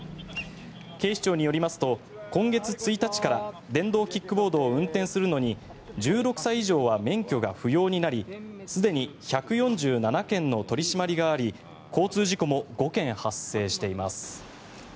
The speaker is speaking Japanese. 警視庁によりますと今月１日から電動キックボードを運転するのに１６歳以上は免許が不要になりすでに１４７件の取り締まりがあり交通事故も５件発生しています。